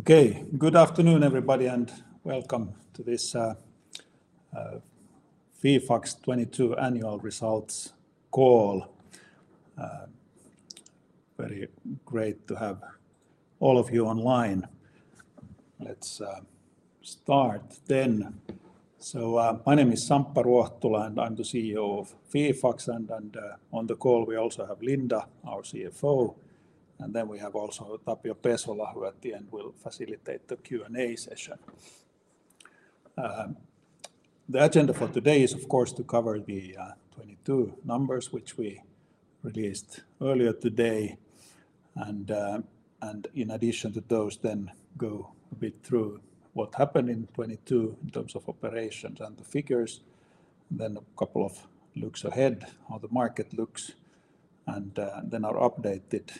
Okay. Good afternoon, everybody, and welcome to this Fifax 2022 Annual Results Call. Very great to have all of you online. Let's start then. My name is Samppa Ruohtula, and I'm the CEO of Fifax. On the call we also have Linda, our CFO. We have also Tapio Pesola, who at the end will facilitate the Q&A session. The agenda for today is, of course, to cover the 2022 numbers, which we released earlier today, in addition to those, then go a bit through what happened in 2022 in terms of operations and the figures. A couple of looks ahead, how the market looks, and then our updated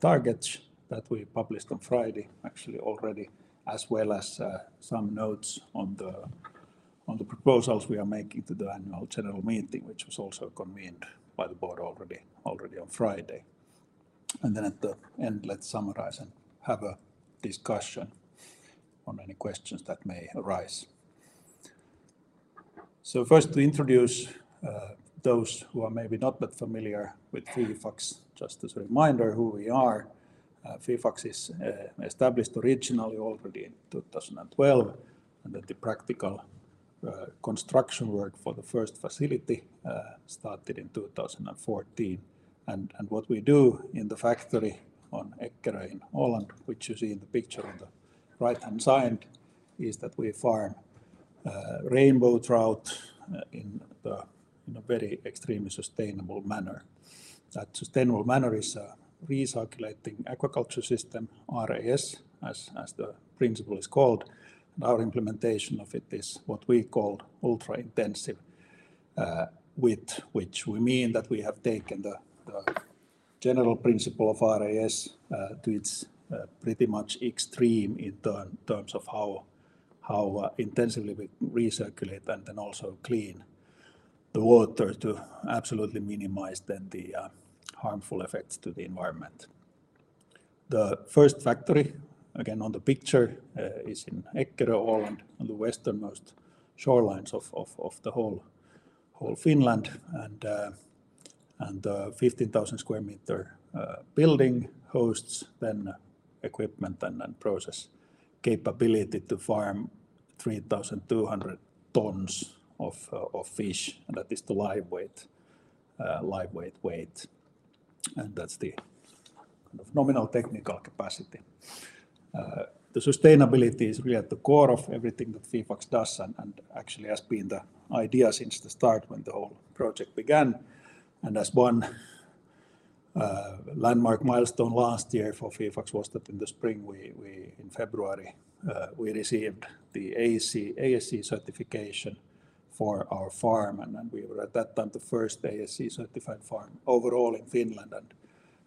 targets that we published on Friday actually already. As well as some notes on the proposals we are making to the annual general meeting, which was also convened by the board already on Friday. At the end, let's summarize and have a discussion on any questions that may arise. First to introduce those who are maybe not that familiar with Fifax, just as a reminder who we are. Fifax is established originally already in 2012, and that the practical construction work for the first facility started in 2014. And what we do in the factory on Eckerö in Åland, which you see in the picture on the right-hand side, is that we farm rainbow trout in a very extremely sustainable manner. That sustainable manner is a recirculating aquaculture system, RAS, as the principle is called. Our implementation of it is what we call ultra-intensive, with which we mean that we have taken the general principle of RAS to its pretty much extreme in terms of how intensively we recirculate and then also clean the water to absolutely minimize then the harmful effects to the environment. The first factory, again on the picture, is in Eckerö, Åland, on the westernmost shorelines of the whole Finland. 15,000 square meter building hosts then equipment and process capability to farm 3,200 tons of fish, and that is the live weight. That's the kind of nominal technical capacity. The sustainability is really at the core of everything that Fifax does and actually has been the idea since the start when the whole project began. As one landmark milestone last year for Fifax was that in the spring, we in February received the ASC certification for our farm. We were at that time the first ASC certified farm overall in Finland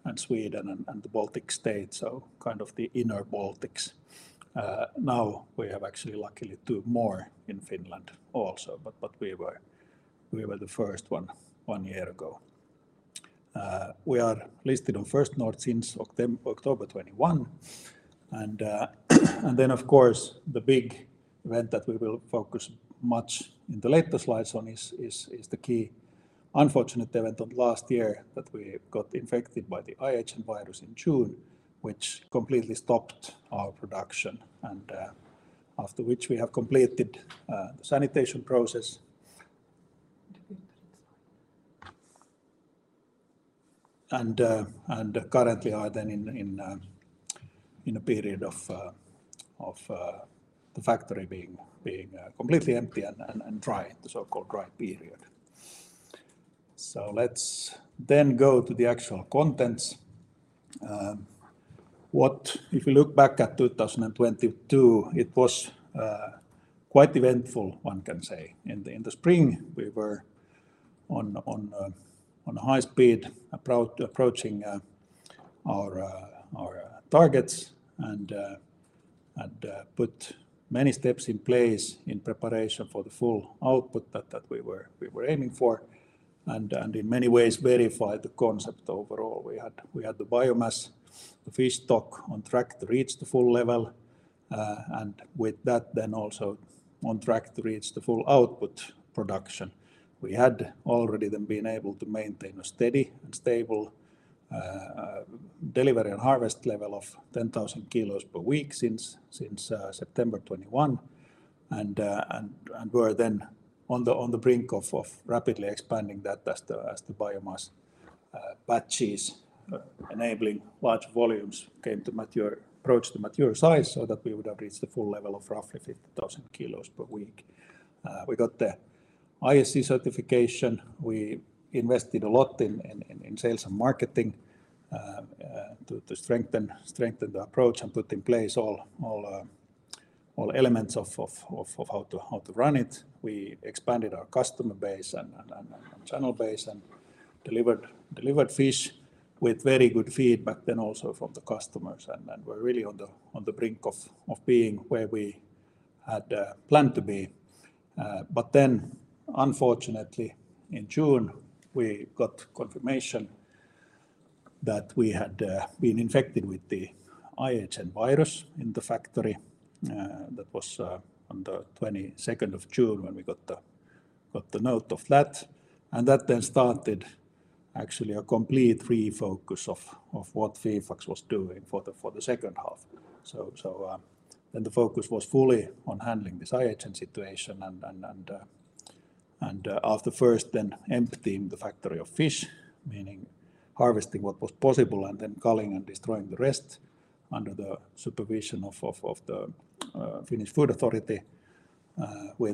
and Sweden and the Baltic states, so kind of the inner Baltics. Now we have actually luckily two more in Finland also, but we were the first one one year ago. We are listed on First North since October 2021. Then of course, the big event that we will focus much in the later slides on is the key unfortunate event of last year that we got infected by the IHN virus in June, which completely stopped our production, after which we have completed the sanitation process. The fifth slide. Currently are then in a period of the factory being completely empty and dry. The so-called dry period. Let's then go to the actual contents. If we look back at 2022, it was quite eventful, one can say. In the spring, we were on high speed approaching our targets and put many steps in place in preparation for the full output that we were aiming for and in many ways verified the concept overall. We had the biomass, the fish stock on track to reach the full level. With that then also on track to reach the full output production. We had already then been able to maintain a steady and stable delivery and harvest level of 10,000 kilos per week since September 2021. Were then on the brink of rapidly expanding that as the biomass batches enabling large volumes came to mature, approached the mature size so that we would have reached the full level of roughly 50,000 kilos per week. We got the ASC certification. We invested a lot in sales and marketing to strengthen the approach and put in place all elements of how to run it. We expanded our customer base and channel base and delivered fish with very good feedback then also from the customers and were really on the brink of being where we had planned to be. Unfortunately in June, we got confirmation that we had been infected with the IHN virus in the factory. That was on the 22nd of June when we got the note of that. That started actually a complete refocus of what Fifax was doing for the second half. The focus was fully on handling this IHN situation and after first then emptying the factory of fish, meaning harvesting what was possible and then culling and destroying the rest under the supervision of the Finnish Food Authority. We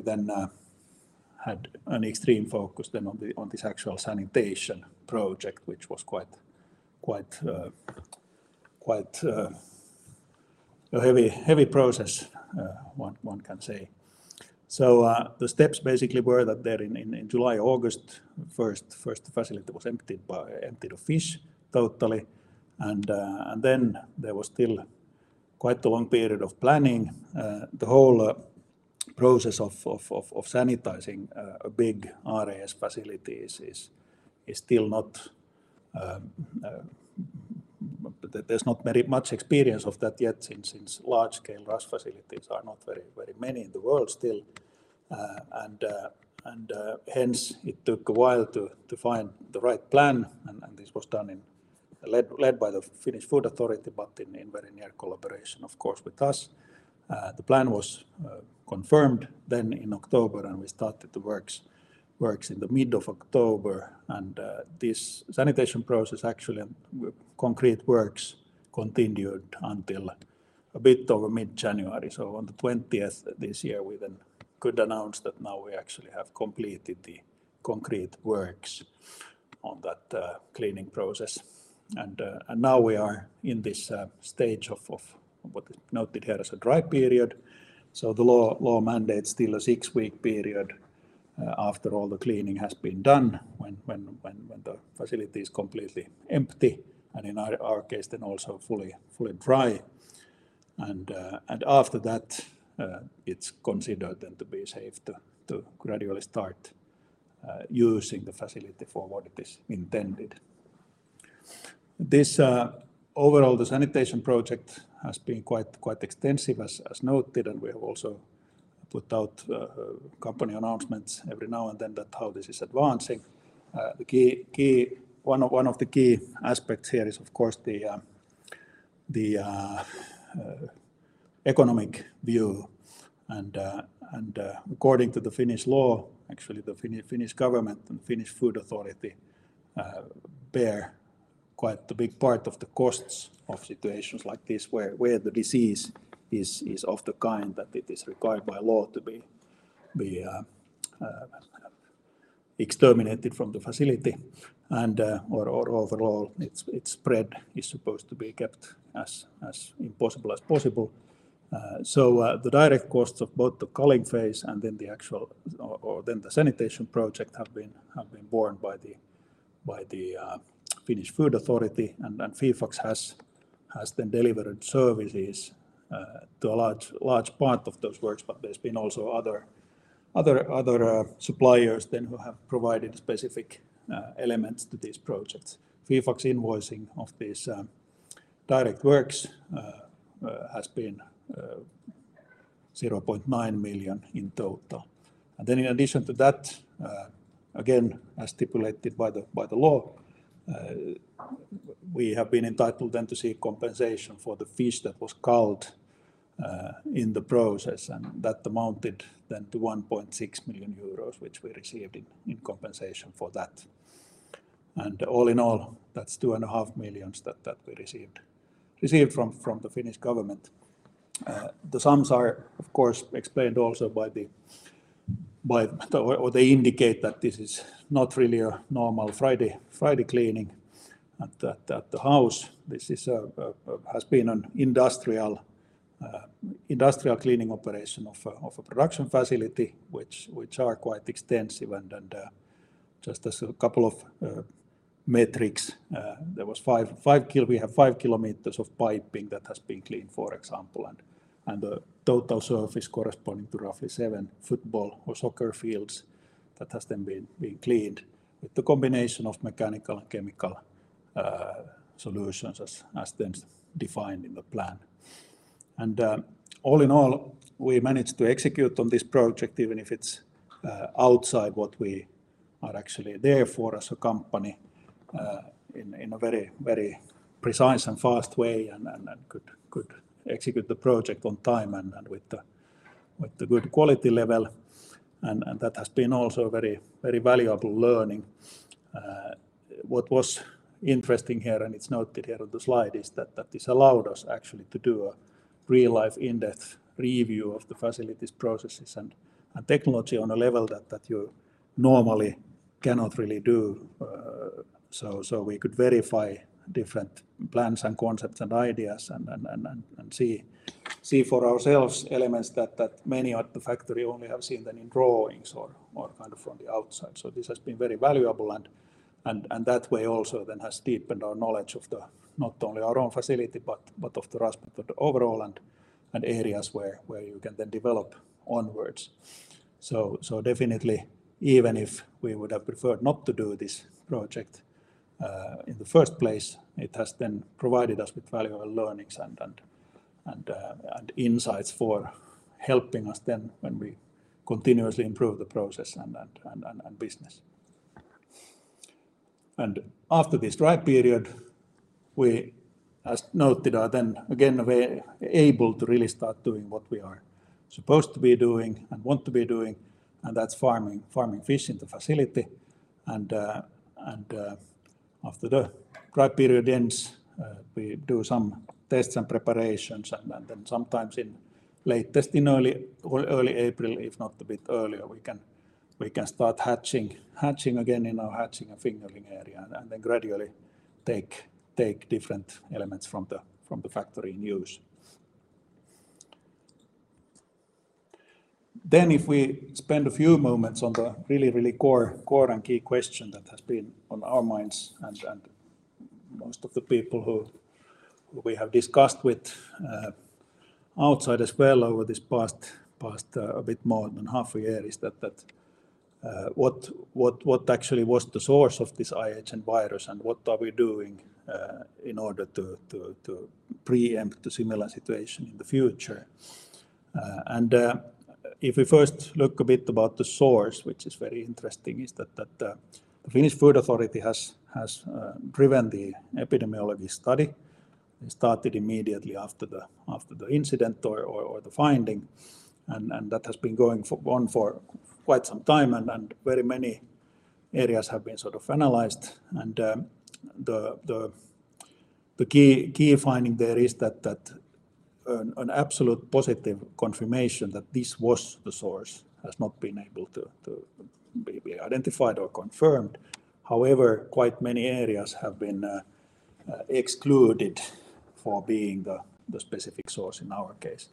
had an extreme focus then on this actual sanitation project, which was quite, quite a heavy process, one can say. The steps basically were that in July, August, first facility was emptied of fish totally. There was still quite a long period of planning. The whole process of sanitizing a big RAS facility is still not, there's not very much experience of that yet since large scale RAS facilities are not very many in the world still. Hence it took a while to find the right plan. This was done led by the Finnish Food Authority, in very near collaboration of course with us. The plan was confirmed in October, we started the works in the mid of October. This sanitation process, actually concrete works continued until a bit over mid-January. On the 20th this year, we then could announce that now we actually have completed the concrete works on that cleaning process. Now we are in this stage of what is noted here as a dry period. The law mandates still a six-week period after all the cleaning has been done, when the facility is completely empty and in our case then also fully dry. After that, it's considered then to be safe to gradually start using the facility for what it is intended. This overall, the sanitation project has been quite extensive, as noted, and we have also put out company announcements every now and then that how this is advancing. One of the key aspects here is of course the economic view and according to the Finnish law, actually the Finnish government and Finnish Food Authority bear quite the big part of the costs of situations like this where the disease is of the kind that it is required by law to be exterminated from the facility or overall its spread is supposed to be kept as impossible as possible. The direct costs of both the culling phase and then the actual sanitation project have been borne by the Finnish Food Authority. Fifax has then delivered services to a large part of those works. There's been also other suppliers then who have provided specific elements to these projects. Fifax invoicing of these direct works has been 0.9 million in total. In addition to that, again, as stipulated by the law, we have been entitled then to seek compensation for the fish that was culled in the process. That amounted then to 1.6 million euros, which we received in compensation for that. All in all, that's 2.5 million that we received from the Finnish government. The sums are of course explained also by the, or they indicate that this is not really a normal Friday cleaning at the house. This has been an industrial cleaning operation of a production facility which are quite extensive and just as a couple of metrics, we have 5 km of piping that has been cleaned, for example. The total surface corresponding to roughly seven football or soccer fields has then been cleaned with the combination of mechanical and chemical solutions as then defined in the plan. All in all, we managed to execute on this project, even if it's outside what we are actually there for as a company, in a very, very precise and fast way and could execute the project on time and with the good quality level. That has been also very, very valuable learning. What was interesting here, and it's noted here on the slide, is that this allowed us actually to do a real-life in-depth review of the facilities, processes and technology on a level that you normally cannot really do. We could verify different plans and concepts and ideas and see for ourselves elements that many at the factory only have seen then in drawings or kind of from the outside. This has been very valuable and that way also then has deepened our knowledge of the, not only our own facility, but of the RAS method overall and areas where you can then develop onwards. Definitely even if we would have preferred not to do this project in the first place, it has then provided us with valuable learnings and insights for helping us then when we continuously improve the process and business. After this dry period, we as noted, are then again able to really start doing what we are supposed to be doing and want to be doing, and that's farming fish in the facility and, after the dry period ends, we do some tests and preparations and then sometimes in latest, in early or early April, if not a bit earlier, we can start hatching again in our hatching and fingerling area and then gradually take different elements from the factory in use. If we spend a few moments on the really core and key question that has been on our minds and most of the people who we have discussed with outside as well over this past a bit more than half a year, is that what actually was the source of this IHN virus and what are we doing in order to preempt a similar situation in the future? If we first look a bit about the source, which is very interesting, is that the Finnish Food Authority has driven the epidemiology study. It started immediately after the incident or the finding. That has been going on for quite some time. Very many areas have been sort of analyzed and the key finding there is that an absolute positive confirmation that this was the source has not been able to be identified or confirmed. However, quite many areas have been excluded for being the specific source in our case.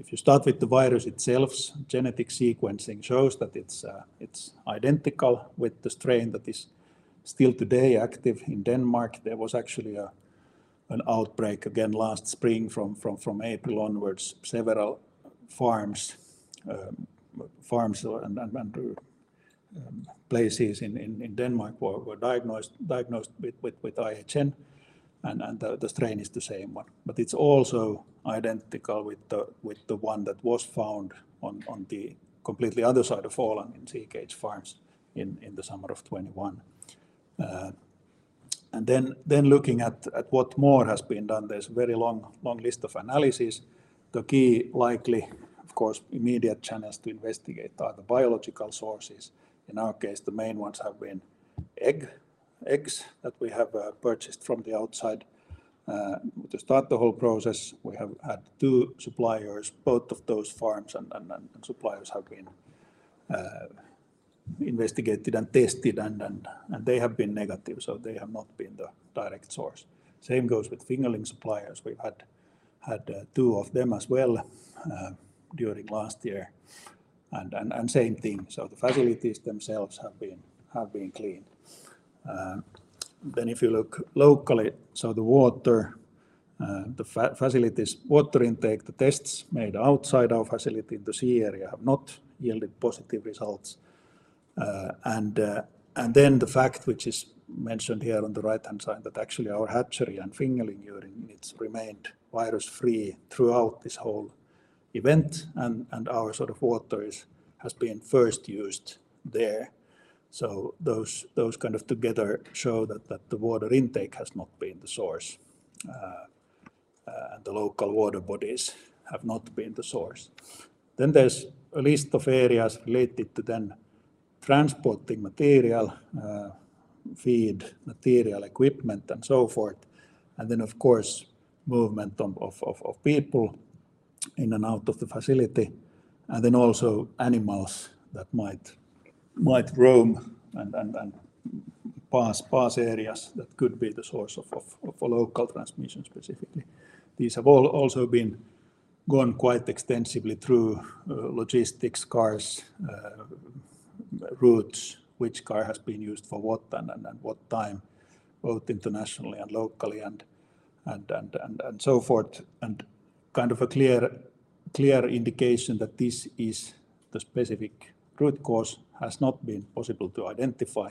If you start with the virus itself, genetic sequencing shows that it's identical with the strain that is still today active in Denmark. There was actually an outbreak again last spring from April onwards, several farms or and places in Denmark were diagnosed with IHN and the strain is the same one. It's also identical with the one that was found on the completely other side of Åland in sea cage farms in the summer of 2021. Then looking at what more has been done, there's a very long list of analysis. The key likely, of course, immediate channels to investigate are the biological sources. In our case, the main ones have been eggs that we have purchased from the outside to start the whole process. We have had two suppliers. Both of those farms and suppliers have been investigated and tested and they have been negative, so they have not been the direct source. Same goes with fingerling suppliers. We've had two of them as well during last year and same thing. The facilities themselves have been cleaned. If you look locally, the water, the facilities water intake, the tests made outside our facility in the sea area have not yielded positive results. Then the fact which is mentioned here on the right-hand side that actually our hatchery and fingerling units remained virus-free throughout this whole event. Our sort of water is, has been first used there. Those kind of together show that the water intake has not been the source. The local water bodies have not been the source. There's a list of areas related to then transporting material, feed material, equipment and so forth. Then of course movement of people in and out of the facility. Also animals that might roam and pass areas that could be the source of a local transmission specifically. These have all also been gone quite extensively through logistics, cars, routes, which car has been used for what and what time, both internationally and locally and so forth. Kind of a clear indication that this is the specific root cause has not been possible to identify.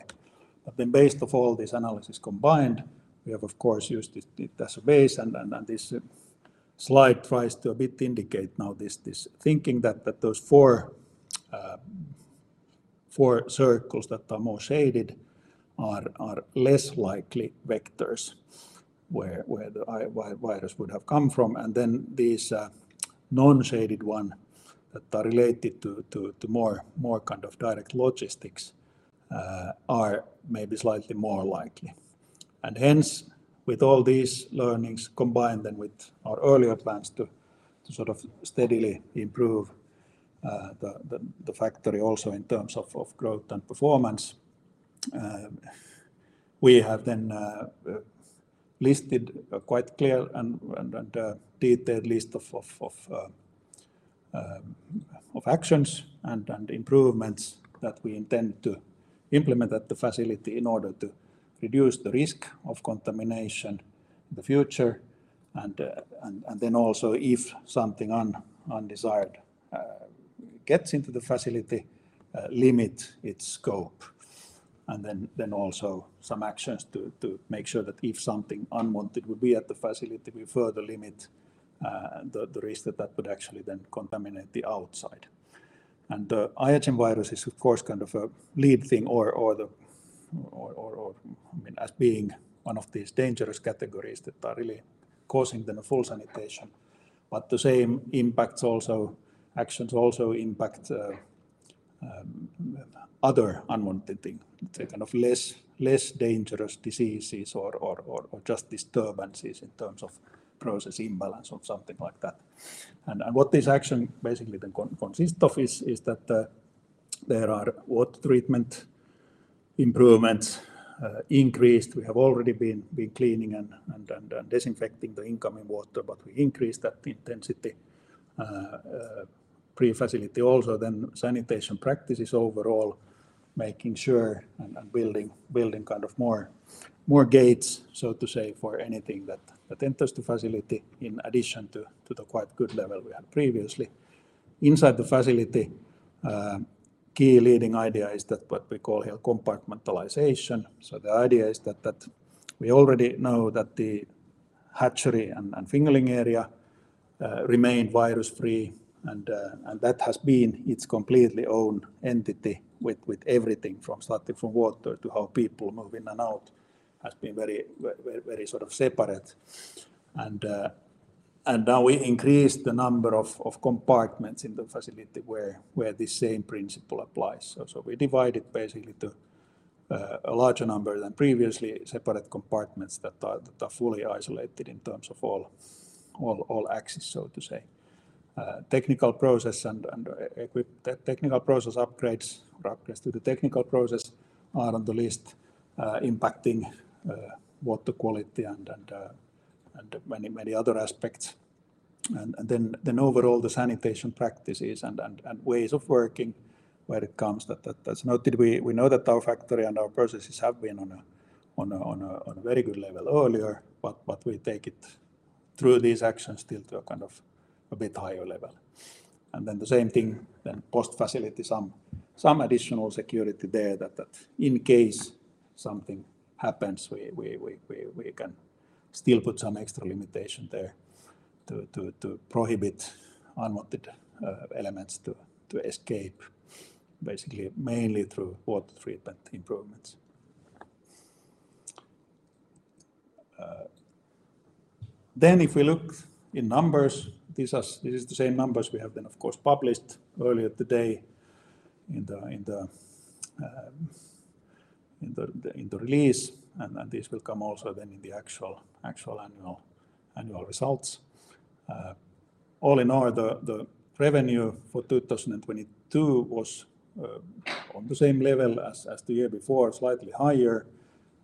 Based of all this analysis combined, we have of course used it as a base and this slide tries to a bit indicate now this thinking that those four circles that are more shaded are less likely vectors where the IHN virus would have come from. These, non-shaded one that are related to more kind of direct logistics are maybe slightly more likely. Hence with all these learnings combined then with our earlier plans to sort of steadily improve the factory also in terms of growth and performance, we have then listed quite clear and detailed list of actions and improvements that we intend to implement at the facility in order to reduce the risk of contamination in the future. Also if something undesired gets into the facility, limit its scope. Also some actions to make sure that if something unwanted would be at the facility, we further limit the risk that would actually then contaminate the outside. The IHN virus is of course kind of a lead thing or the, I mean as being one of these dangerous categories that are really causing then a full sanitation. The same impacts also, actions also impact other unwanted thing, the kind of less dangerous diseases or just disturbances in terms of process imbalance or something like that. What this action basically then consist of is that there are water treatment improvements, increased. We have already been cleaning and disinfecting the incoming water, but we increased that intensity pre-facility. Sanitation practices overall, making sure and building kind of more gates, so to say, for anything that enters the facility in addition to the quite good level we had previously. Inside the facility, key leading idea is that what we call here compartmentalization. The idea is that we already know that the hatchery and fingerling area remained virus-free and that has been its completely own entity with everything from starting from water to how people move in and out has been very sort of separate. Now we increased the number of compartments in the facility where this same principle applies. We divide it basically to a larger number than previously separate compartments that are fully isolated in terms of all axes, so to say. Technical process and technical process upgrades or upgrades to the technical process are on the list, impacting water quality and many other aspects. Then overall the sanitation practices and ways of working when it comes that's noted. We know that our factory and our processes have been on a very good level earlier, but we take it through these actions still to a kind of a bit higher level. Then the same thing then post-facility, some additional security there that in case something happens, we can still put some extra limitation there to prohibit unwanted elements to escape basically mainly through water treatment improvements. Then if we look in numbers, these are the same numbers we have then of course published earlier today in the release. This will come also then in the actual annual results. All in all, the revenue for 2022 was on the same level as the year before, slightly higher.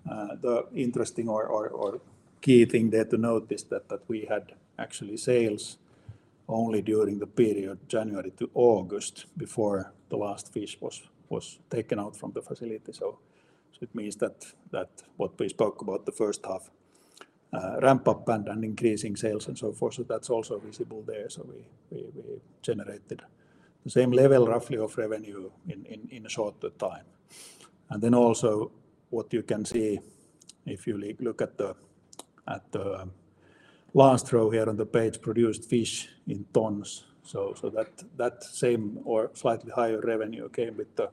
The interesting or key thing there to note is that we had actually sales only during the period January to August before the last fish was taken out from the facility. It means that what we spoke about the first half, ramp up and increasing sales and so forth. That's also visible there. We generated the same level roughly of revenue in a shorter time. Then also what you can see if you look at the last row here on the page, produced fish in tons. That same or slightly higher revenue came with the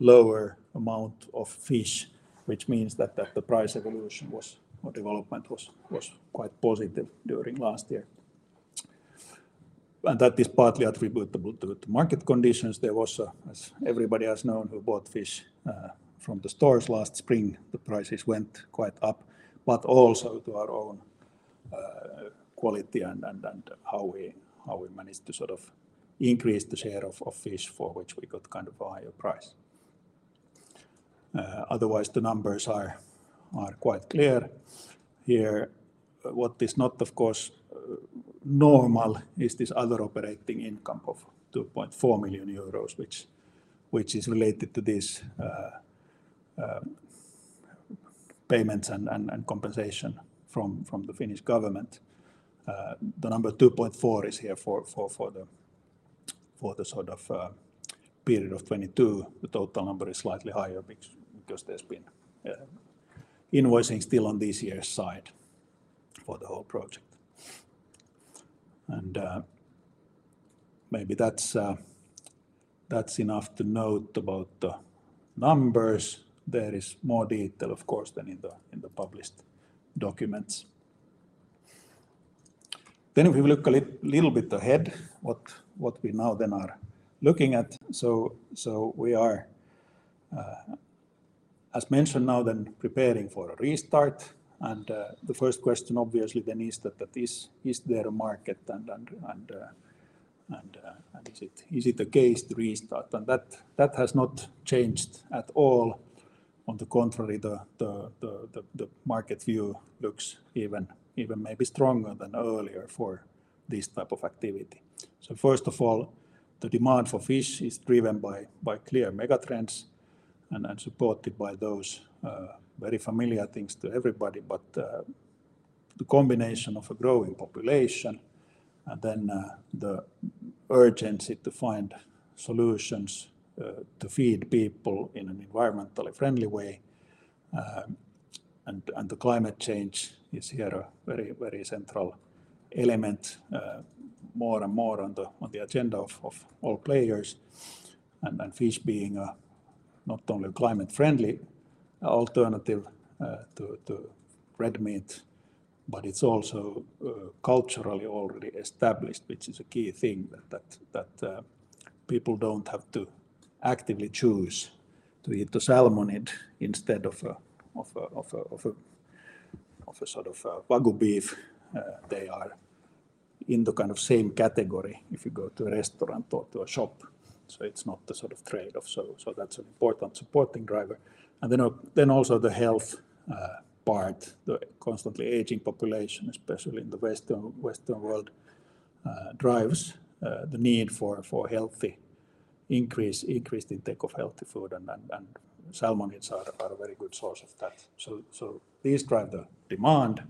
lower amount of fish, which means that the price evolution was or development was quite positive during last year. That is partly attributable to market conditions. There was, as everybody has known who bought fish from the stores last spring, the prices went quite up, but also to our own quality and how we managed to sort of increase the share of fish for which we got kind of a higher price. Otherwise the numbers are quite clear here. What is not of course normal is this other operating income of 2.4 million euros which is related to this payments and compensation from the Finnish government. The number 2.4 is here for the period of 2022. The total number is slightly higher because there's been invoicing still on this year's side for the whole project. Maybe that's enough to note about the numbers. If we look a little bit ahead, what we now then are looking at. We are as mentioned now then preparing for a restart. The first question obviously then is that is there a market and is it the case to restart? That has not changed at all. On the contrary, the market view looks even maybe stronger than earlier for this type of activity. First of all, the demand for fish is driven by clear mega trends. Supported by those very familiar things to everybody. The combination of a growing population and the urgency to find solutions to feed people in an environmentally friendly way. The climate change is here a very, very central element. More and more on the agenda of all players. Fish being a not only climate friendly alternative to red meat, but it's also culturally already established, which is a key thing that people don't have to actively choose to eat the salmonid instead of a sort of a wagyu beef. They are in the kind of same category if you go to a restaurant or to a shop. It's not a sort of trade-off. That's an important supporting driver. Also the health part. The constantly aging population, especially in the Western world, drives the need for increased intake of healthy food and salmonids are a very good source of that. These drive the demand.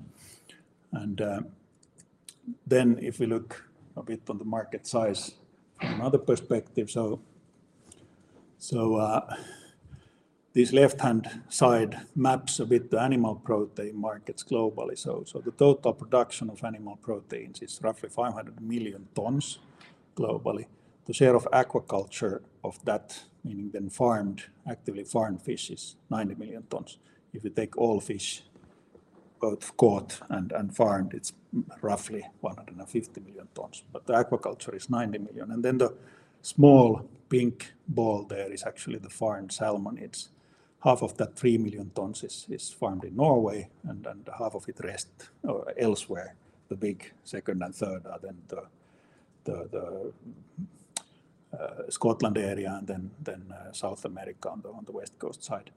Then if we look a bit on the market size from another perspective. This left-hand side maps a bit the animal protein markets globally. The total production of animal proteins is roughly 500 million tons globally. The share of aquaculture of that, meaning then farmed, actively farmed fish, is 90 million tons. If you take all fish, both caught and farmed, it's roughly 150 million tons, but the aquaculture is 90 million. Then the small pink ball there is actually the farmed salmonids. Half of that 3 million tons is farmed in Norway and half of it rest or elsewhere. The big second and third are then the Scotland area and South America on the West Coast side.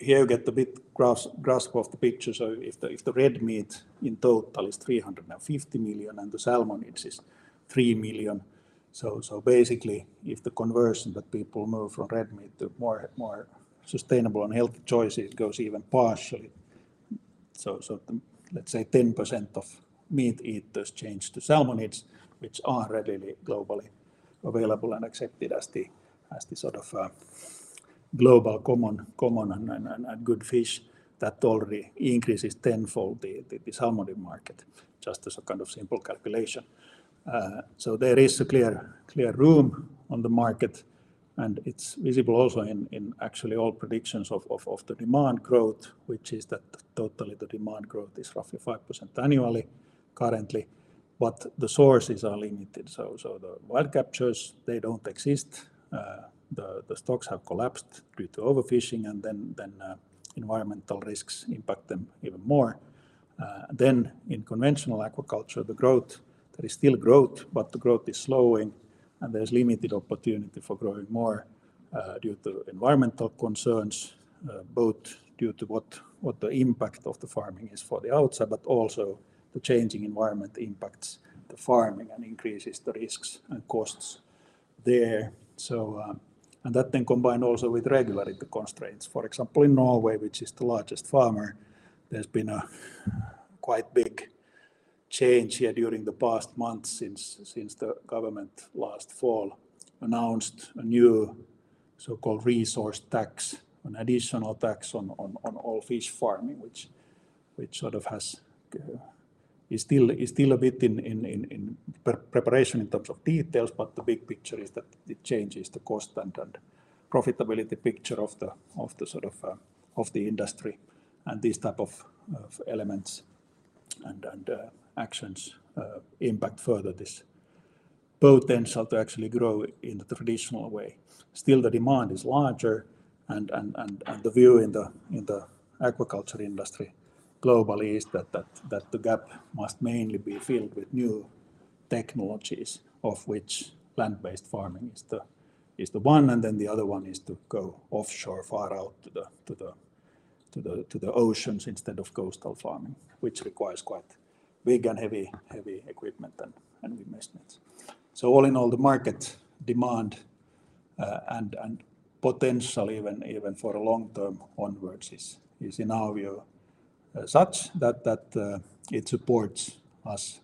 Here you get a bit grasp of the picture. If the, if the red meat in total is 350 million and the salmonids is 3 million, so basically if the conversion that people move from red meat to more sustainable and healthy choices goes even partially. The, let's say 10% of meat eaters change to salmonids, which are readily globally available and accepted as the sort of global common and good fish, that already increases tenfold the salmonid market, just as a kind of simple calculation. There is a clear room on the market, and it's visible also in actually all predictions of the demand growth, which is that totally the demand growth is roughly 5% annually currently, but the sources are limited. The wild captures, they don't exist. The stocks have collapsed due to overfishing and then environmental risks impact them even more. In conventional aquaculture, there is still growth, but the growth is slowing and there's limited opportunity for growing more due to environmental concerns. Both due to what the impact of the farming is for the outside, but also the changing environment impacts the farming and increases the risks and costs there. That combined also with regulatory constraints. For example, in Norway, which is the largest farmer, there's been a quite big change here during the past months since the government last fall announced a new so-called resource tax, an additional tax on all fish farming, which sort of has. Is still a bit in preparation in terms of details, but the big picture is that it changes the cost and profitability picture of the sort of the industry and these type of elements and actions impact further this potential to actually grow in the traditional way. Still, the demand is larger and the view in the aquaculture industry globally is that the gap must mainly be filled with new technologies, of which plant-based farming is the one, and then the other one is to go offshore far out to the oceans instead of coastal farming, which requires quite big and heavy equipment and investments. All in all, the market demand, and potential even for the long term onwards is in our view such that it supports us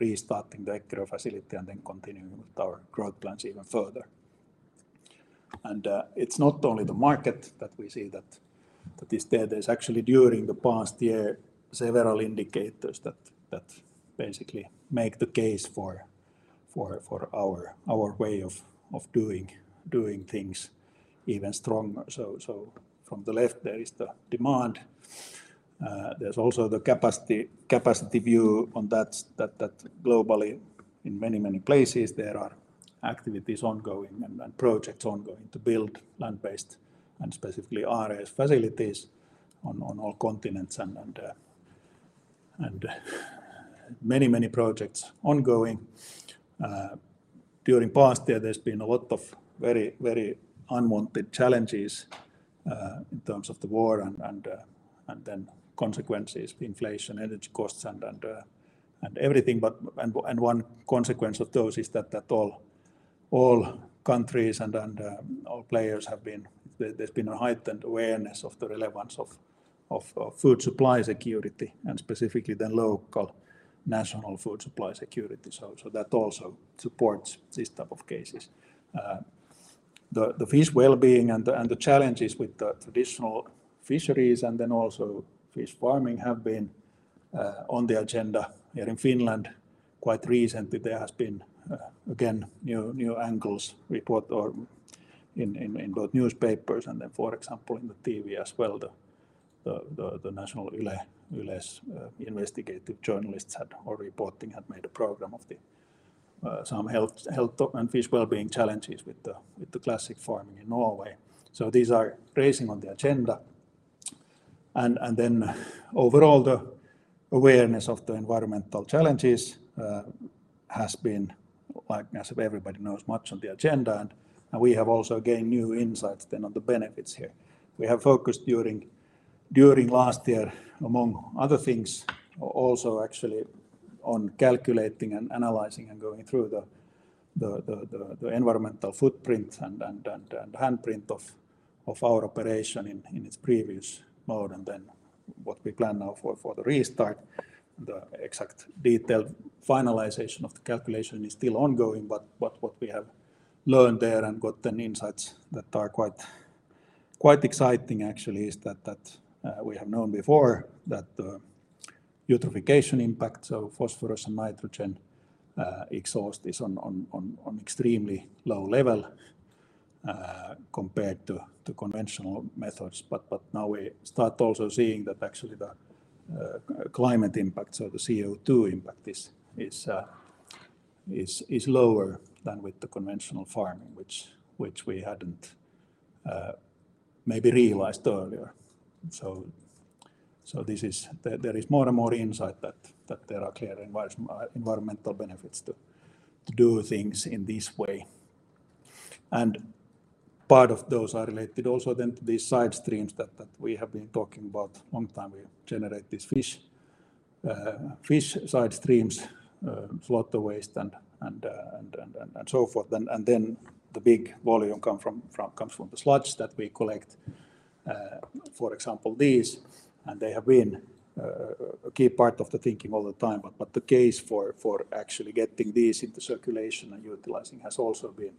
restarting the Eckerö facility and then continuing with our growth plans even further. It's not only the market that we see that is there. There's actually during the past year, several indicators that basically make the case for our way of doing things even stronger. From the left there is the demand. There's also the capacity view on that globally in many, many places, there are activities ongoing and projects ongoing to build land-based and specifically RAS facilities on all continents and many, many projects ongoing. During past year, there's been a lot of very, very unwanted challenges, in terms of the war and, then consequences, inflation, energy costs everything but, one consequence of those is that, all countries and, all players have been. There's been a heightened awareness of the relevance of, food supply security, and specifically the local national food supply security. That also supports these type of cases. The fish wellbeing and the challenges with the traditional fisheries and then also fish farming have been, on the agenda here in Finland quite recently. There has been, again, new angles report or in both newspapers and then for example in the TV as well. The national Yle's investigative journalists had, or reporting had made a program of the some health and fish wellbeing challenges with the classic farming in Norway. These are raising on the agenda. Then overall, the awareness of the environmental challenges has been like as if everybody knows much on the agenda. We have also gained new insights then on the benefits here. We have focused during last year, among other things, also actually on calculating and analyzing and going through the environmental footprint and handprint of our operation in its previous mode, and then what we plan now for the restart. The exact detailed finalization of the calculation is still ongoing, but what we have learned there and got then insights that are quite exciting actually is that we have known before that the eutrophication impacts of phosphorus and nitrogen exhaust is on extremely low level compared to conventional methods. Now we start also seeing that actually the climate impact or the CO2 impact is lower than with the conventional farming, which we hadn't maybe realized earlier. This is There is more and more insight that there are clear environmental benefits to do things in this way. Part of those are related also then to these side streams that we have been talking about long time. We generate these fish side streams, slaughter waste and so forth. Then the big volume comes from the sludge that we collect. For example, these, and they have been a key part of the thinking all the time, but the case for actually getting these into circulation and utilizing has also been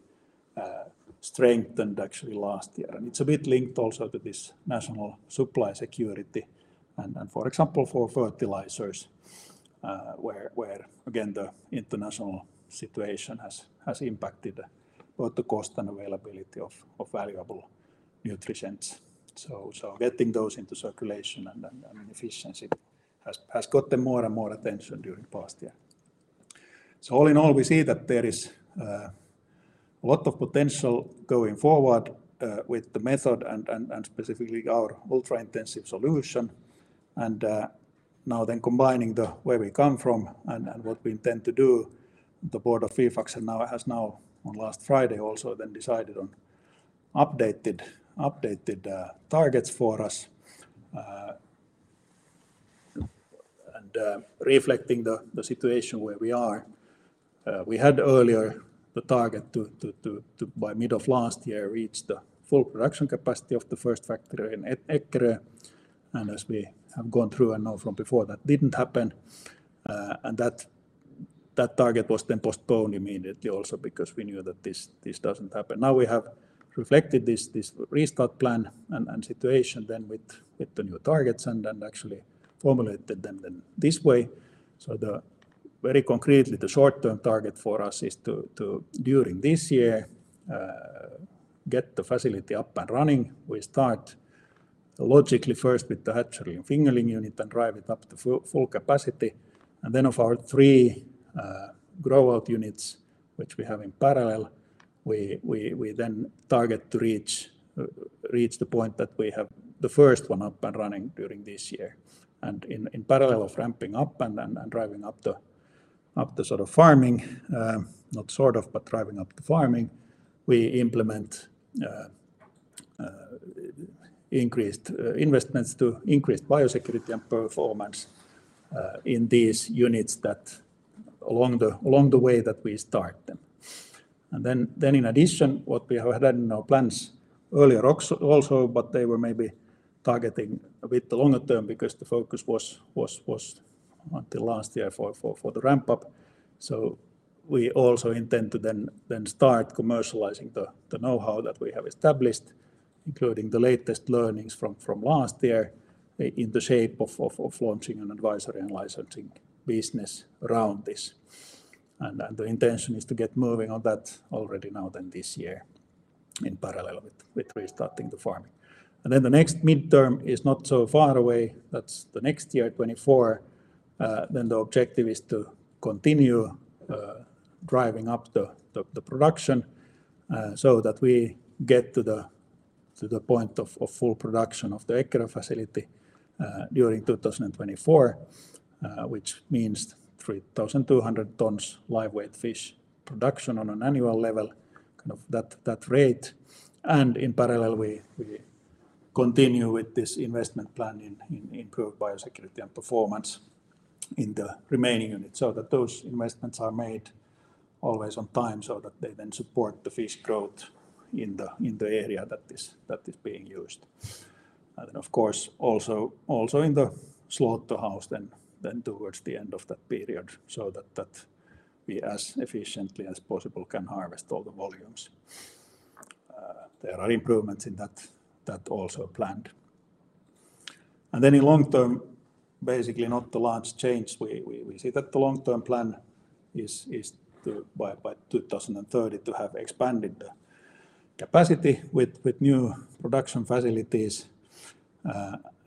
strengthened actually last year. It's a bit linked also to this national supply security and for example, for fertilizers, where again, the international situation has impacted both the cost and availability of valuable nutrients. Getting those into circulation and efficiency has gotten more and more attention during past year. All in all, we see that there is a lot of potential going forward with the method and specifically our ultra-intensive solution. Now then combining the where we come from and what we intend to do, the board of Fifax has now on last Friday also then decided on updated targets for us. And reflecting the situation where we are, we had earlier the target to by mid of last year, reach the full production capacity of the first factory in Eckerö. As we have gone through and know from before, that didn't happen. That target was then postponed immediately also because we knew that this doesn't happen. Now we have reflected this restart plan and situation with the new targets and then actually formulated them then this way. The very concretely, the short-term target for us is to, during this year, get the facility up and running. We start logically first with the hatchery and fingerling unit and drive it up to full capacity. Of our three grow out units which we have in parallel, we then target to reach the point that we have the first one up and running during this year. In parallel of ramping up and driving up the sort of farming, not sort of, but driving up the farming, we implement increased investments to increased biosecurity and performance in these units that along the way that we start them. In addition, what we have had in our plans earlier also, but they were maybe targeting a bit longer term because the focus was until last year for the ramp up. We also intend to start commercializing the knowhow that we have established, including the latest learnings from last year in the shape of launching an advisory and licensing business around this. The intention is to get moving on that already now then this year in parallel with restarting the farming. The next midterm is not so far away. That's the next year, 2024. Then the objective is to continue driving up the production so that we get to the point of full production of the Eckerö facility during 2024, which means 3,200 tons live weight fish production on an annual level, kind of that rate. In parallel, we continue with this investment plan in improved biosecurity and performance in the remaining units so that those investments are made always on time so that they then support the fish growth in the area that is being used. Of course also in the slaughterhouse then towards the end of that period so that we as efficiently as possible can harvest all the volumes. There are improvements in that also planned. Then in long term, basically not a large change. We see that the long term plan is to by 2030 to have expanded the capacity with new production facilities,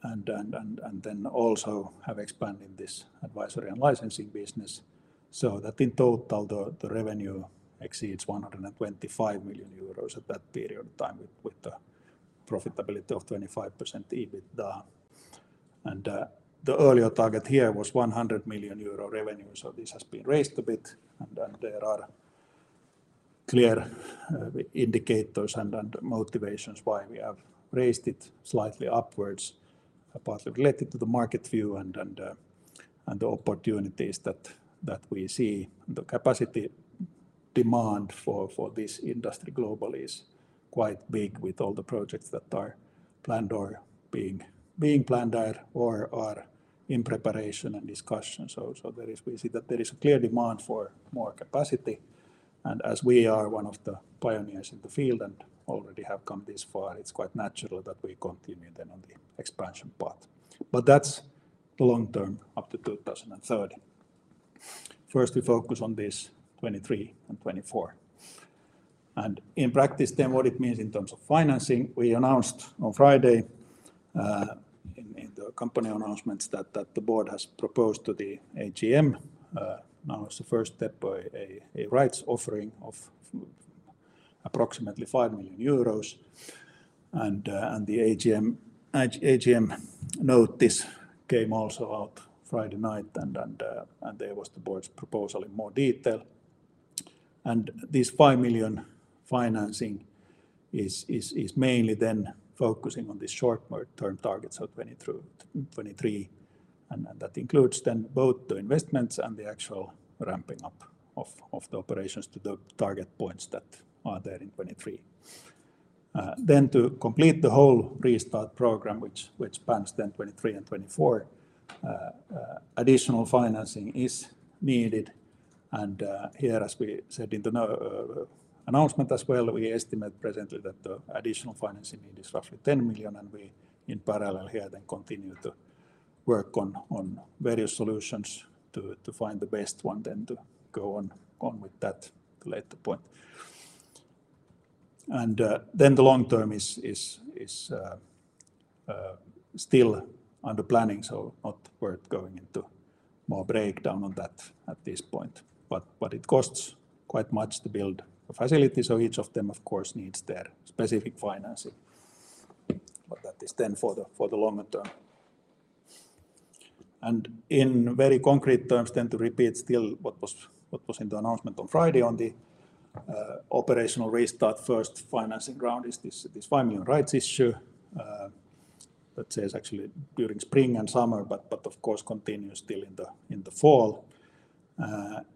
and then also have expanded this advisory and licensing business so that in total the revenue exceeds 125 million euros at that period of time with the profitability of 25% EBITDA. The earlier target here was 100 million euro revenue. This has been raised a bit and there are clear indicators and motivations why we have raised it slightly upwards, partly related to the market view and the opportunities that we see. The capacity demand for this industry globally is quite big with all the projects that are planned or being planned out or are in preparation and discussion. We see that there is a clear demand for more capacity, and as we are one of the pioneers in the field and already have come this far, it's quite natural that we continue then on the expansion path. That's the long term up to 2030. First, we focus on this 2023 and 2024. In practice then what it means in terms of financing, we announced on Friday in the company announcements that the board has proposed to the AGM now as the first step by a rights offering of approximately EUR 5 million. The AGM note this came also out Friday night and there was the board's proposal in more detail. This 5 million financing is mainly then focusing on the short more term targets of 2020 through 2023. That includes then both the investments and the actual ramping up of the operations to the target points that are there in 2023. Then to complete the whole restart program, which spans then 2023 and 2024, additional financing is needed. Here, as we said in the announcement as well, we estimate presently that the additional financing need is roughly 10 million. We in parallel here then continue to work on various solutions to find the best one then to go on with that at a later point. The long term is still under planning, so not worth going into more breakdown on that at this point. It costs quite much to build a facility, so each of them of course needs their specific financing. That is then for the longer term. In very concrete terms then to repeat still what was in the announcement on Friday on the operational restart first financing round is this 5 million rights issue, let's say it's actually during spring and summer, but of course continues still in the fall,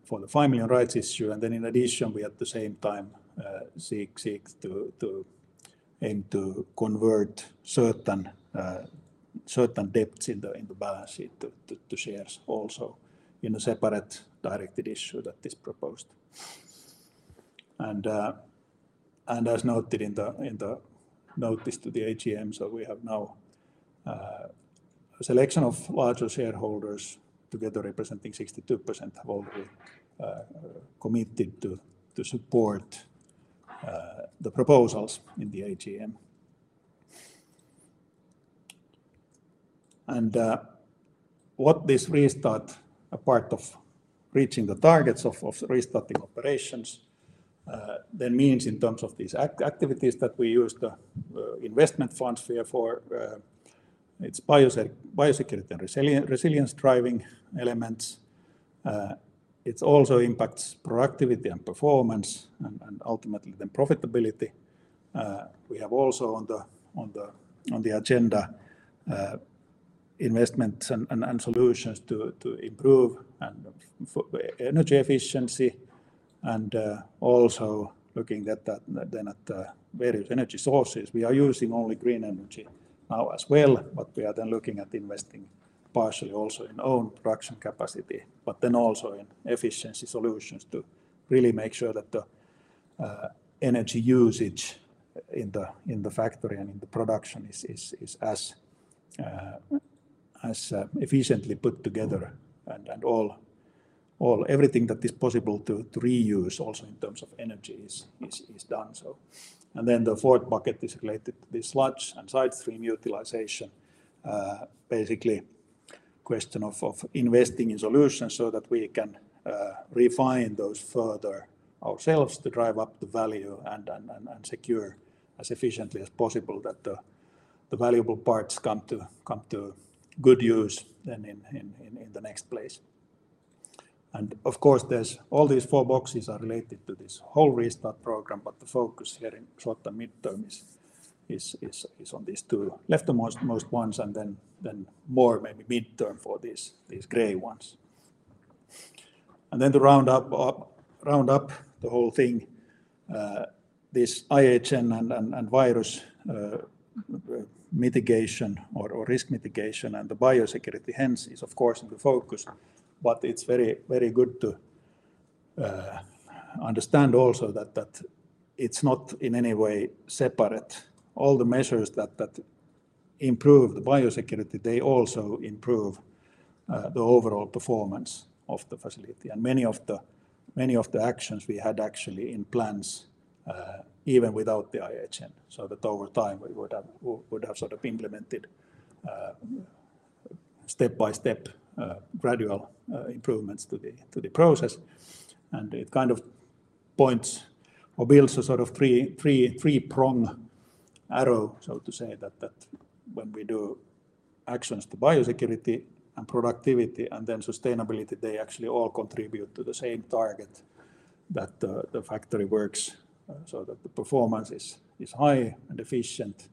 for the 5 million rights issue. Then in addition, we at the same time seek to aim to convert certain debts in the balance sheet to shares also in a separate directed issue that is proposed. As noted in the notice to the AGM, we have now a selection of larger shareholders together representing 62% have already committed to support the proposals in the AGM. What this restart apart of reaching the targets of restarting operations then means in terms of these activities that we use the investment funds here for, its biosecurity and resilience driving elements. It also impacts productivity and performance and ultimately then profitability. We have also on the agenda investments and solutions to improve energy efficiency also looking at that then at the various energy sources. We are using only green energy now as well, but we are then looking at investing partially also in own production capacity, but then also in efficiency solutions to really make sure that the energy usage in the factory and in the production is as efficiently put together and everything that is possible to reuse also in terms of energy is done so. The fourth bucket is related to the sludge and side stream utilization. Basically question of investing in solutions so that we can refine those further ourselves to drive up the value and secure as efficiently as possible that the valuable parts come to good use in the next place. Of course, there's all these four boxes are related to this whole restart program, but the focus here in short and midterm is on these two leftmost most ones then more maybe midterm for these gray ones. Then to round up the whole thing, this IHN and virus mitigation or risk mitigation and the biosecurity hence is of course the focus. It's very good to understand also that it's not in any way separate. All the measures that improve the biosecurity, they also improve the overall performance of the facility. Many of the actions we had actually in plans even without the IHN. That over time we would have sort of implemented step-by-step gradual improvements to the process. It kind of points or builds a sort of three-prong arrow, so to say that when we do actions to biosecurity and productivity and then sustainability, they actually all contribute to the same target, that the factory works so that the performance is high and efficient.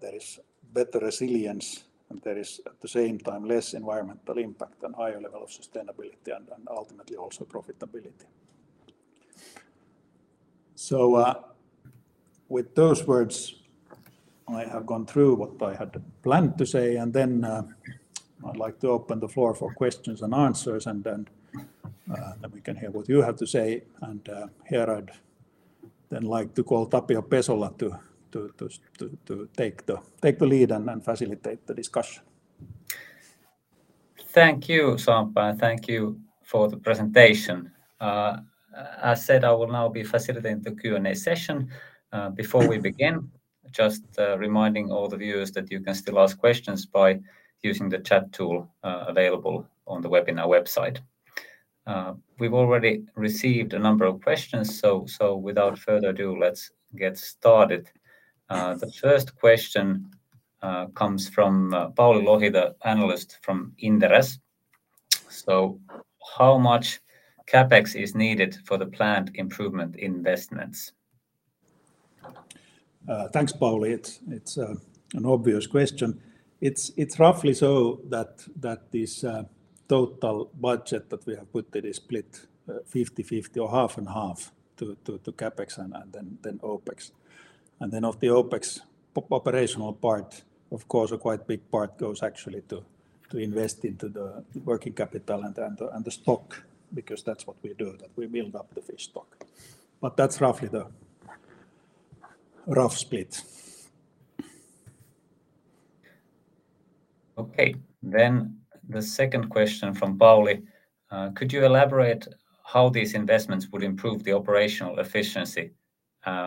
There is better resilience, and there is at the same time less environmental impact and higher level of sustainability and ultimately also profitability. With those words, I have gone through what I had planned to say, and then I'd like to open the floor for Q&A, and then then we can hear what you have to say. Here I'd then like to call Tapio Pesola to take the lead and facilitate the discussion. Thank you, Samppa. Thank you for the presentation. As said, I will now be facilitating the Q&A session. Before we begin, just reminding all the viewers that you can still ask questions by using the chat tool available on the webinar website. We've already received a number of questions, so without further ado, let's get started. The first question comes from Pauli Lohi, the analyst from Inderes. How much CapEx is needed for the planned improvement investments? Thanks, Pauli. It's, it's an obvious question. It's, it's roughly so that this total budget that we have put there is split 50/50 or half and half to CapEx and then OpEx. Of the OpEx operational part, of course a quite big part goes actually to invest into the working capital and the stock, because that's what we do, that we build up the fish stock. That's roughly the rough split. Okay. The second question from Pauli. Could you elaborate how these investments would improve the operational efficiency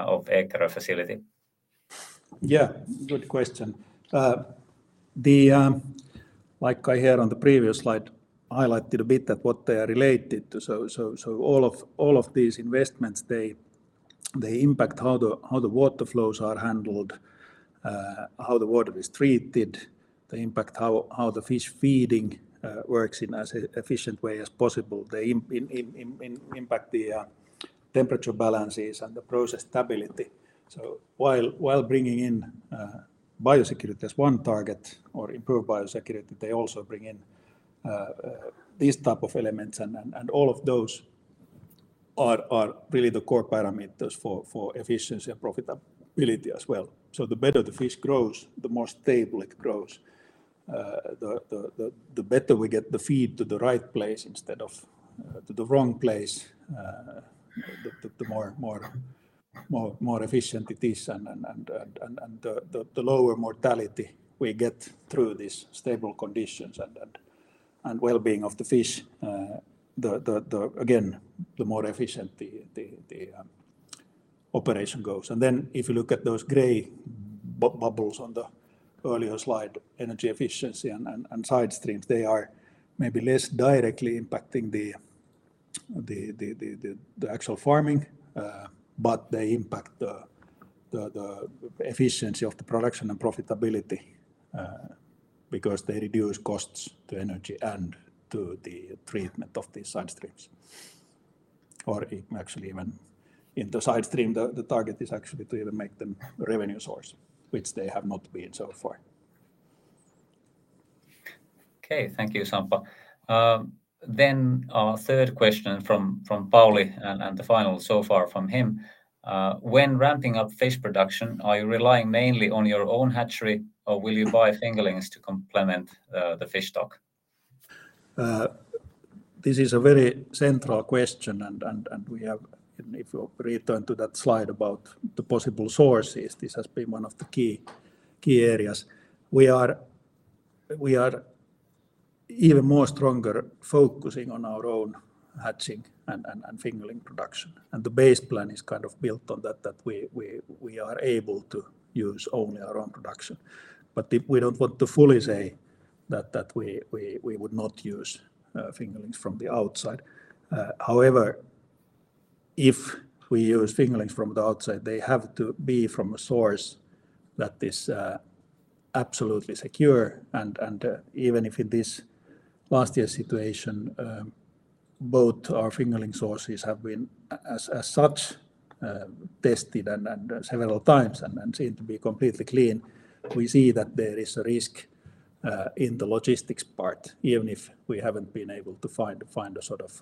of Eckerö facility? n the previous slide highlighted a bit that what they are related to, so all of these investments, they impact how the water flows are handled, how the water is treated. They impact how the fish feeding works in as efficient way as possible. They impact the temperature balances and the process stability. While bringing in biosecurity as one target or improved biosecurity, they also bring in these type of elements and all of those are really the core parameters for efficiency and profitability as well. The better the fish grows, the more stable it grows. The better we get the feed to the right place instead of to the wrong place, the more efficient it is and the lower mortality we get through these stable conditions and wellbeing of the fish. Again, the more efficient the operation goes. If you look at those gray bubbles on the earlier slide, energy efficiency and side streams, they are maybe less directly impacting the actual farming, but they impact the efficiency of the production and profitability, because they reduce costs to energy and to the treatment of these side streams. Actually even in the side stream, the target is actually to even make them a revenue source, which they have not been so far. Thank you, Samppa. Our third question from Pauli and the final so far from him. When ramping up fish production, are you relying mainly on your own hatchery, or will you buy fingerlings to complement the fish stock? This is a very central question, and if you return to that slide about the possible sources, this has been one of the key areas. We are even more stronger focusing on our own hatching and fingerling production. The base plan is kind of built on that we are able to use only our own production. If we don't want to fully say that we would not use fingerlings from the outside. However, if we use fingerlings from the outside, they have to be from a source that is absolutely secure. Even if in this last year's situation, both our fingerling sources have been as such, tested and several times and seem to be completely clean, we see that there is a risk in the logistics part, even if we haven't been able to find a sort of,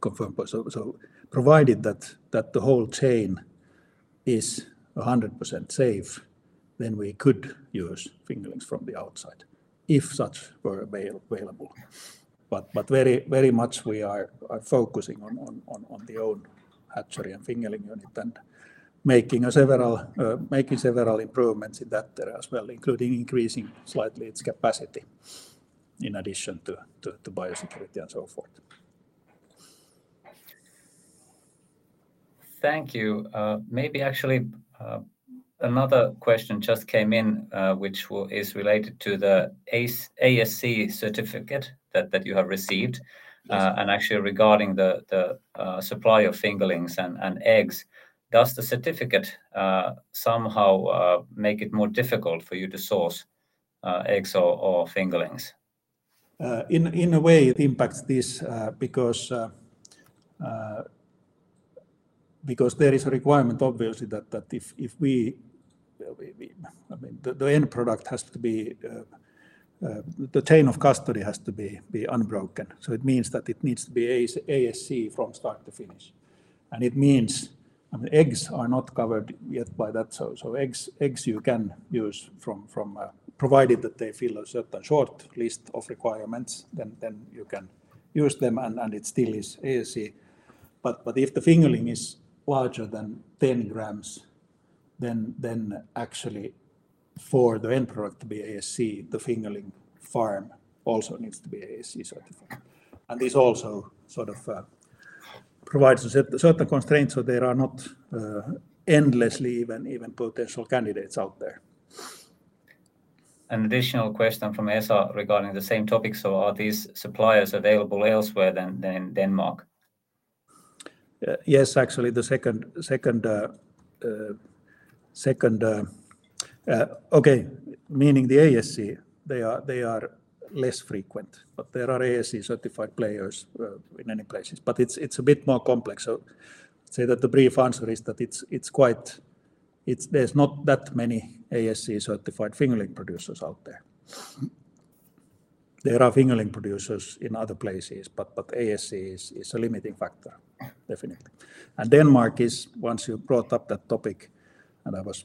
confirmed. Provided that the whole chain is 100% safe, then we could use fingerlings from the outside if such were available. Very much we are focusing on the own hatchery and fingerling unit and making several improvements in that area as well, including increasing slightly its capacity in addition to biosecurity and so forth. Thank you. Maybe actually, another question just came in, is related to the ASC certificate that you have received. Actually regarding the supply of fingerlings and eggs. Does the certificate somehow make it more difficult for you to source eggs or fingerlings? In a way it impacts this, because there is a requirement obviously that if we, I mean, the end product has to be, the chain of custody has to be unbroken. It means that it needs to be ASC from start to finish, and it means, I mean, eggs are not covered yet by that. Eggs you can use from, provided that they fill a certain short list of requirements, then you can use them and it still is ASC. If the fingerling is larger than 10 grams, then actually for the end product to be ASC, the fingerling farm also needs to be ASC certified. This also sort of provides a certain constraint. There are not endlessly even potential candidates out there. An additional question from Esa regarding the same topic. Are these suppliers available elsewhere than Denmark? Yes. Actually the second okay, meaning the ASC, they are less frequent, but there are ASC certified players in many places. It's a bit more complex. Say that the brief answer is that it's quite, there's not that many ASC certified fingerling producers out there. There are fingerling producers in other places, but ASC is a limiting factor definitely. Denmark is, once you brought up that topic, and I was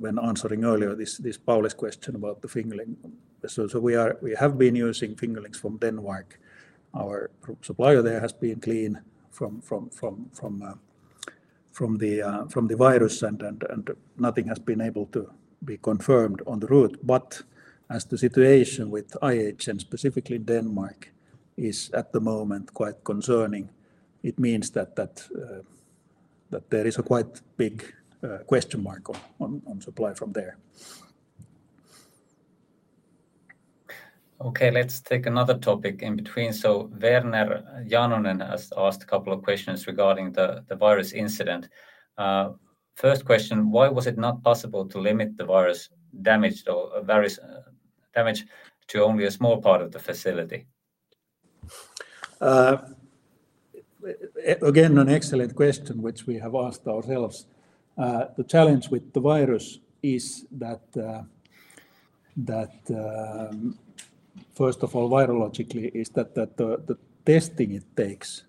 when answering earlier this Pauli's question about the fingerling. We are, we have been using fingerlings from Denmark. Our supplier there has been clean from the virus. Nothing has been able to be confirmed on the route. As the situation with IHN and specifically Denmark is at the moment quite concerning, it means that there is a quite big question mark on supply from there. Okay. Let's take another topic in between. Verner Järvinen has asked a couple of questions regarding the virus incident. First question, why was it not possible to limit the virus damage to only a small part of the facility? Again, an excellent question, which we have asked ourselves. The challenge with the virus is that first of all, virologically is that the testing, it takes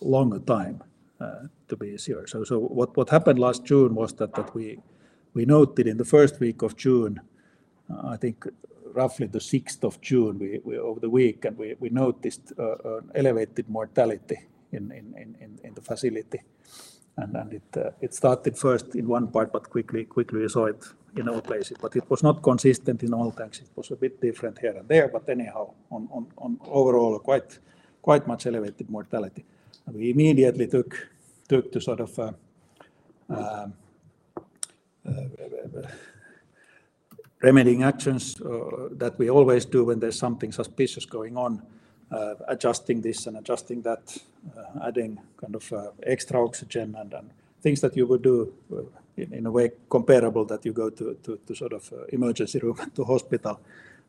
longer time to be sure. What happened last June was that we noted in the first week of June, I think roughly the 6th of June, we over the week and we noticed elevated mortality in the facility. It started first in one part, but quickly we saw it in all places. It was not consistent in all tanks. It was a bit different here and there, but anyhow, on overall, quite much elevated mortality. We immediately took to sort of remedying actions that we always do when there's something suspicious going on. Adjusting this and adjusting that, adding kind of extra oxygen and things that you would do in a way comparable that you go to sort of emergency room to hospital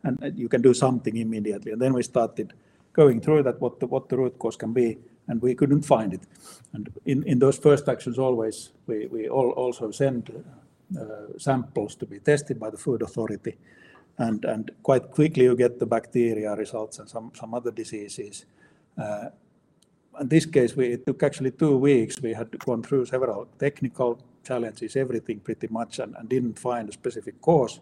and you can do something immediately. We started going through that, what the root cause can be, and we couldn't find it. In those first actions always we also send samples to be tested by the Food Authority. Quite quickly you get the bacteria results and some other diseases. In this case, we took actually two weeks. We had to gone through several technical challenges, everything pretty much, and didn't find a specific cause.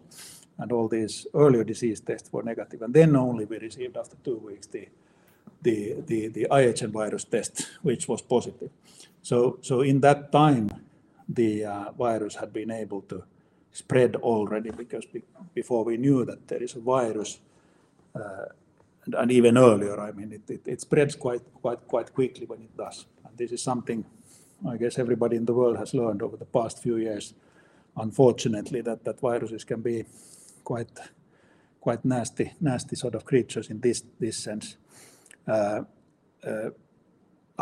All these earlier disease tests were negative. Only we received after two weeks the IHN virus test, which was positive. In that time, the virus had been able to spread already because before we knew that there is a virus, and even earlier, I mean it spreads quite quickly when it does. This is something I guess everybody in the world has learned over the past few years, unfortunately, that viruses can be quite nasty sort of creatures in this sense.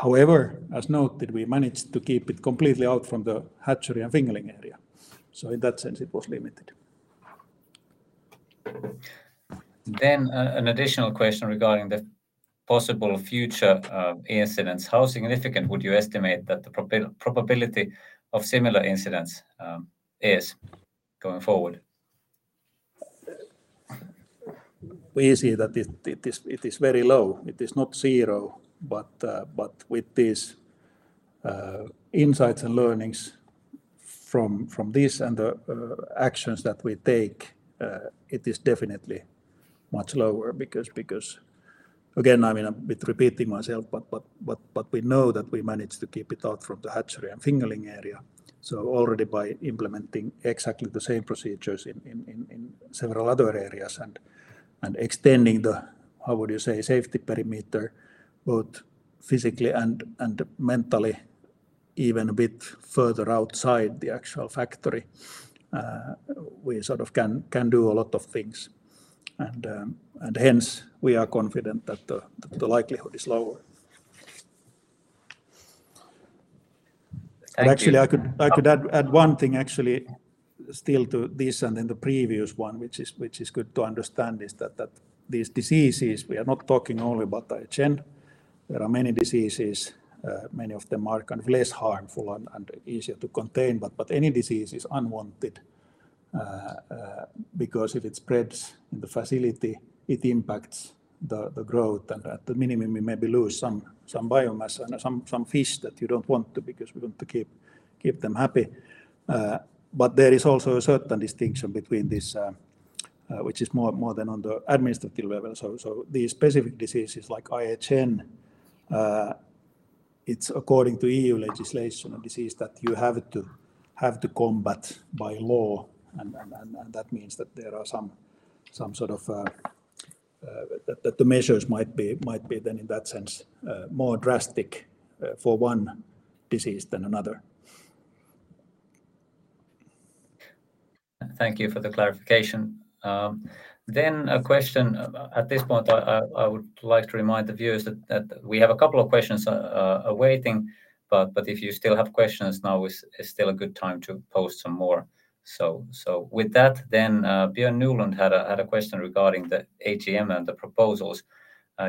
However, as noted, we managed to keep it completely out from the hatchery and fingerling area, so in that sense it was limited. An additional question regarding the possible future incidents. How significant would you estimate that the probability of similar incidents is going forward? We see that it is very low. It is not zero, but with these insights and learnings from this and the actions that we take, it is definitely much lower because again, I mean, I'm a bit repeating myself, but we know that we managed to keep it out from the hatchery and fingerling area. Already by implementing exactly the same procedures in several other areas and extending the, how would you say, safety perimeter, both physically and mentally even a bit further outside the actual factory, we sort of can do a lot of things. Hence we are confident that the likelihood is lower. Thank you. Actually I could add one thing actually still to this and then the previous one, which is good to understand is that these diseases, we are not talking only about IHN. There are many diseases, many of them are kind of less harmful and easier to contain, but any disease is unwanted because if it spreads in the facility, it impacts the growth and at the minimum we maybe lose some biomass and some fish that you don't want to because we want to keep them happy. There is also a certain distinction between this which is more than on the administrative level. These specific diseases like IHN, it's according to EU legislation, a disease that you have to combat by law. That means that there are some sort of, that the measures might be then in that sense, more drastic, for one disease than another. Thank you for the clarification. A question, at this point, I would like to remind the viewers that we have a couple of questions awaiting, but if you still have questions now, is still a good time to post some more. With that, Bjørn Nyland had a question regarding the AGM and the proposals.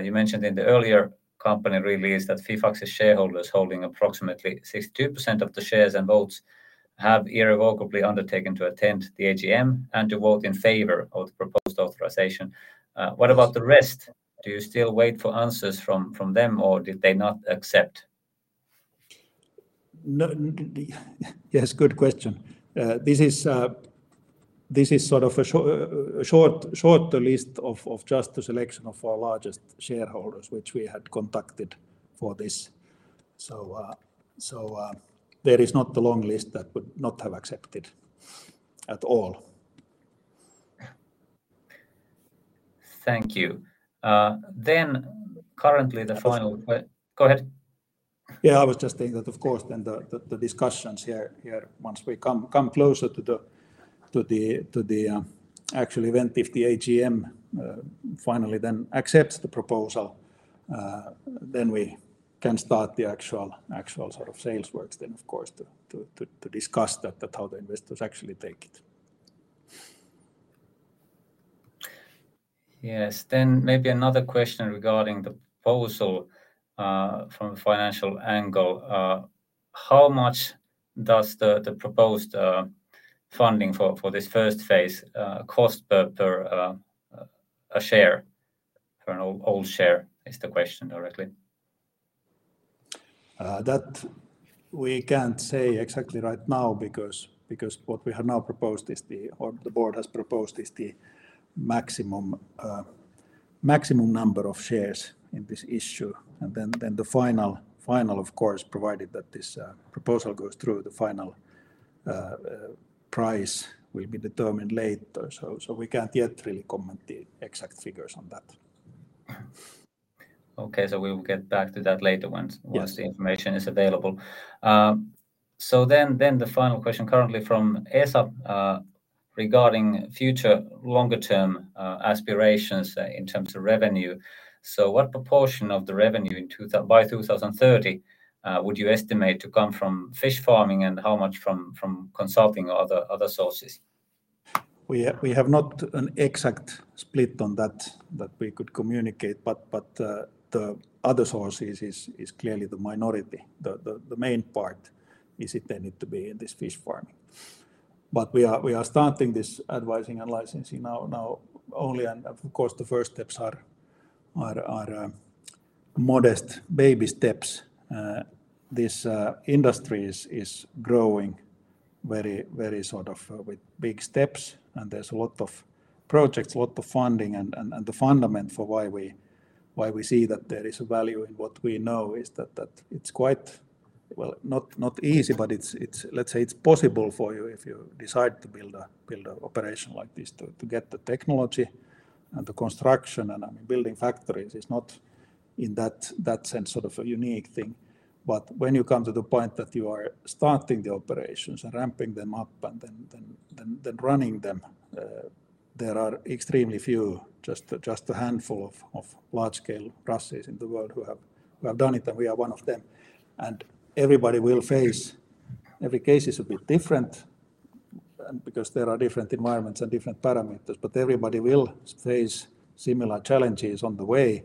You mentioned in the earlier company release that Fifax's shareholders holding approximately 62% of the shares and votes have irrevocably undertaken to attend the AGM and to vote in favor of the proposed authorization. What about the rest? Do you still wait for answers from them, or did they not accept? No. Yes. Good question. This is, this is sort of a short, shorter list of just the selection of our largest shareholders, which we had contacted for this. There is not a long list that would not have accepted at all. Thank you. Go ahead. I was just saying that of course then the discussions here, once we come closer to the actual event, if the AGM finally then accepts the proposal, then we can start the actual sort of sales work then of course to discuss that how the investors actually take it. Yes. Maybe another question regarding the proposal, from a financial angle. How much does the proposed funding for this first phase cost per a share? For an old share, is the question directly. That we can't say exactly right now because what we have now proposed, or the board has proposed, is the maximum number of shares in this issue. The final, of course, provided that this proposal goes through, the final price will be determined later. We can't yet really comment the exact figures on that. Okay. We will get back to that later once-once the information is available. Then the final question currently from Esa regarding future longer term aspirations in terms of revenue. What proportion of the revenue by 2030 would you estimate to come from fish farming and how much from consulting or other sources? We have not an exact split on that we could communicate, but the other sources is clearly the minority. The main part is intended to be in this fish farming. We are starting this advising and licensing now only, and of course, the first steps are modest baby steps. This industry is growing very sort of, with big steps, and there's a lot of projects, lot of funding and the fundament for why we see that there is a value in what we know is that it's quite, well, not easy, but it's, let's say it's possible for you if you decide to build a operation like this to get the technology and the construction, and I mean, building factories is not in that sense sort of a unique thing. When you come to the point that you are starting the operations and ramping them up and then running them, there are extremely few, just a handful of large scale RASes in the world who have done it, and we are one of them. Every case is a bit different and because there are different environments and different parameters. Everybody will face similar challenges on the way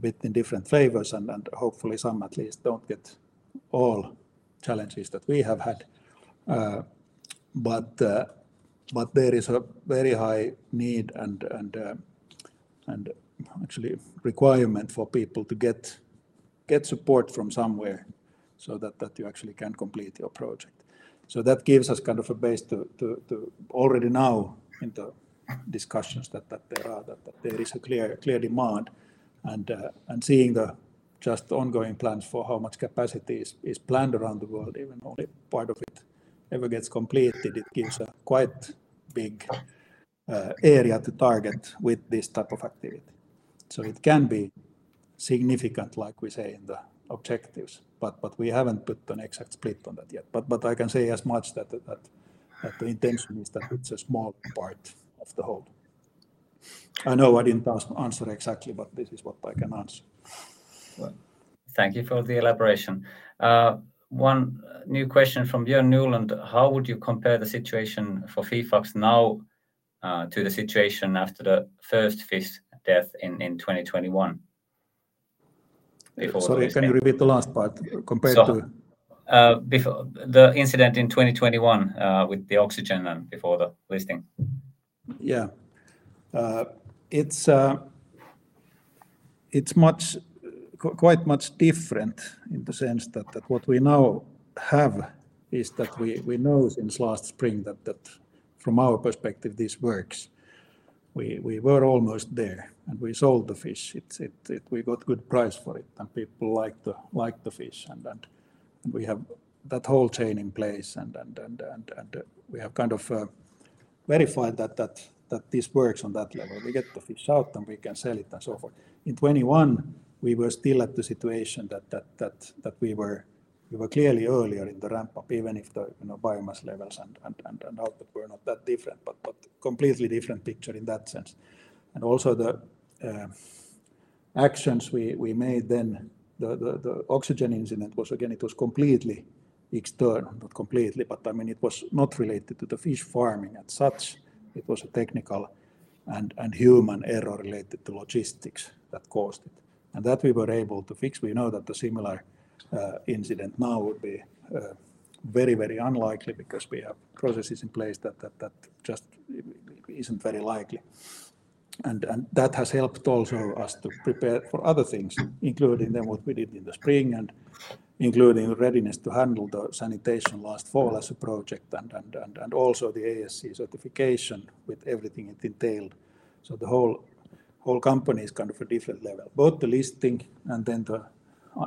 with the different flavors and hopefully some at least don't get all challenges that we have had. There is a very high need and actually requirement for people to get support from somewhere so that you actually can complete your project. That gives us kind of a base to already now in the discussions that there are, that there is a clear demand and seeing the just ongoing plans for how much capacity is planned around the world, even only part of it ever gets completed, it gives a quite big area to target with this type of activity. It can be significant, like we say in the objectives, but we haven't put an exact split on that yet. I can say as much that the intention is that it's a small part of the whole. I know I didn't answer exactly, but this is what I can answer. Thank you for the elaboration. One new question from Bjørn Nyland. How would you compare the situation for Fifax now, to the situation after the first fish death in 2021? Sorry, can you repeat the last part compared to? The incident in 2021, with the oxygen and before the listing. It's, it's much, quite much different in the sense that what we now have is that we know since last spring that from our perspective, this works. We, we were almost there, and we sold the fish. We got good price for it and people liked the, liked the fish and, and we have that whole chain in place and, and we have kind of, verified that, that this works on that level. We get the fish out, and we can sell it and so forth. In 2021, we were still at the situation that, that we were, we were clearly earlier in the ramp up, even if the, you know, biomass levels and, and output were not that different, but completely different picture in that sense. Also the actions we made then. The oxygen incident was, again, it was completely external. Not completely, but I mean, it was not related to the fish farming and such. It was a technical and human error related to logistics that caused it. That we were able to fix. We know that a similar incident now would be very, very unlikely because we have processes in place that just isn't very likely. That has helped also us to prepare for other things, including then what we did in the spring and including readiness to handle the sanitation last fall as a project and also the ASC certification with everything it entailed. The whole company is kind of a different level. Both the listing and then the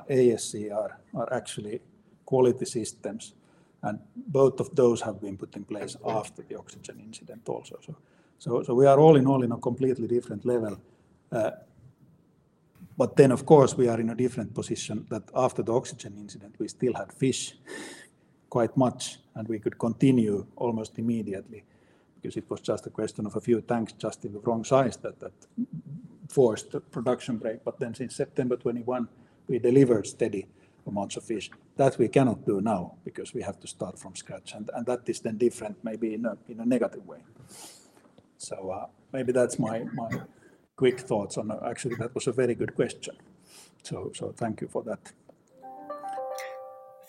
ASC are actually quality systems, and both of those have been put in place after the oxygen incident also. we are all in all in a completely different level. Of course, we are in a different position that after the oxygen incident, we still had fish quite much, and we could continue almost immediately because it was just a question of a few tanks just in the wrong size that forced the production break. Since September 2021, we delivered steady amounts of fish. That we cannot do now because we have to start from scratch. That is then different maybe in a negative way. maybe that's my quick thoughts on that. Actually, that was a very good question. thank you for that.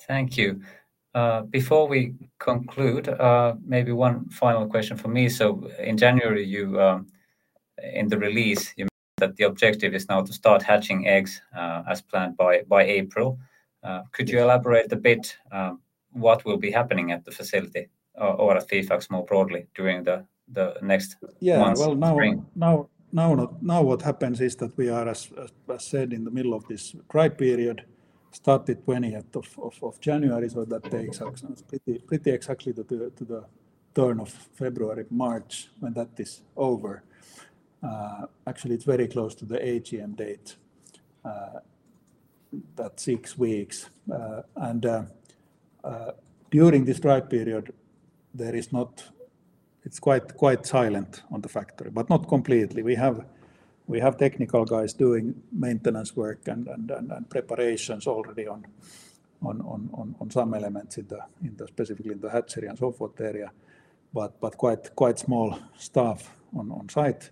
Thank you. Before we conclude, maybe one final question from me. In January, you, in the release, you mentioned that the objective is now to start hatching eggs, as planned by April. Could you elaborate a bit, what will be happening at the facility or at Fifax more broadly during the next months of spring? Yeah. Well, now what happens is that we are, as said, in the middle of this dry period, started twentieth of January. That takes us pretty exactly to the turn of February, March, when that is over. Actually, it's very close to the AGM date. That six weeks. And during this dry period, It's quite silent on the factory, but not completely. We have technical guys doing maintenance work and preparations already on some elements in the specifically in the hatchery and so forth area. Quite small staff on site.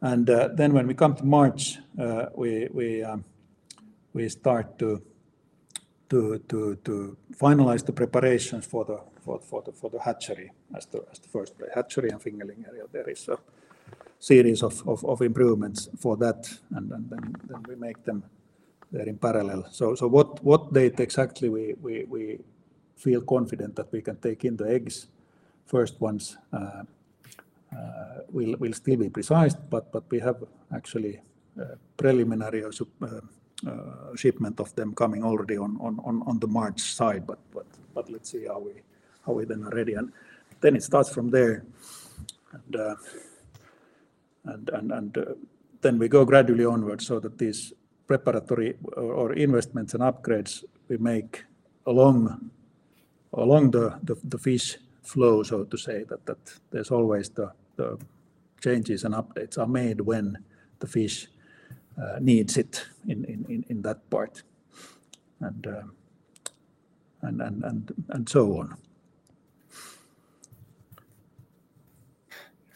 Then when we come to March, we start to finalize the preparations for the hatchery as the first hatchery and fingerling area. There is a series of improvements for that. We make them there in parallel. What date exactly we feel confident that we can take in the eggs. First ones will still be precise. We have actually preliminary or shipment of them coming already on the March side. Let's see how we then are ready. Then it starts from there. Then we go gradually onwards so that these preparatory or investments and upgrades we make along the fish flow, so to say that there's always the changes and updates are made when the fish needs it in that part and so on.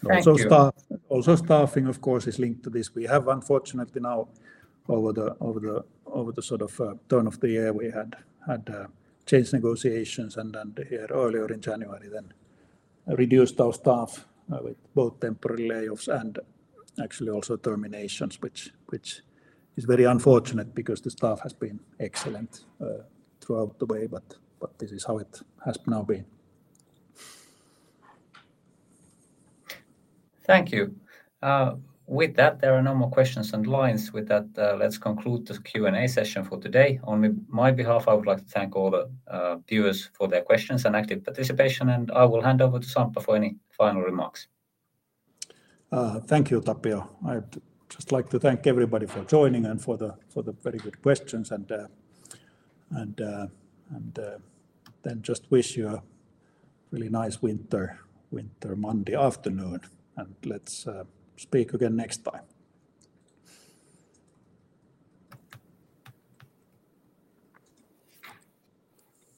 Thank you. Also staffing of course is linked to this. We have unfortunately now over the sort of turn of the year, we had change negotiations and here earlier in January then reduced our staff with both temporary layoffs and actually also terminations, which is very unfortunate because the staff has been excellent throughout the way. This is how it has now been. Thank you. With that, there are no more questions and lines. With that, let's conclude this Q&A session for today. On my behalf, I would like to thank all the viewers for their questions and active participation, and I will hand over to Samppa for any final remarks. Thank you, Tapio. I'd just like to thank everybody for joining and for the very good questions and then just wish you a really nice winter Monday afternoon, and let's speak again next time.